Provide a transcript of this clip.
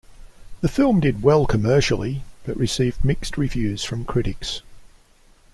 The film did well commercially, but received mixed reviews from critics.